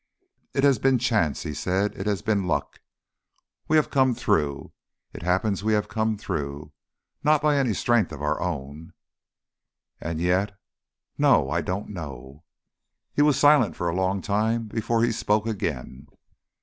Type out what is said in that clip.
"It has been chance," he said, "it has been luck. We have come through. It happens we have come through. Not by any strength of our own.... "And yet ... No. I don't know." He was silent for a long time before he spoke again.